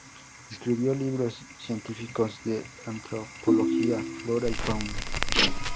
Escribió libros científicos de antropología, flora y fauna.